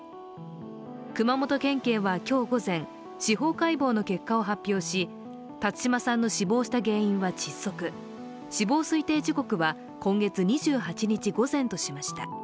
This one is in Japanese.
熊本県警は今日午前、司法解剖の結果を発表し、辰島さんの死亡した原因は窒息、死亡推定時刻は今月２８日午前としました。